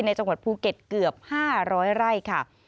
จังหวัดภูเก็ตเกือบ๕๐๐ไร่ค่ะ